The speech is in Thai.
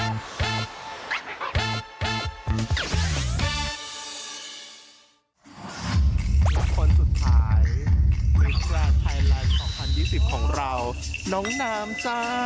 มีคนสุดท้ายเป็นช่างไฮไลน์๒๐๒๐ของเราน้องนามจ้า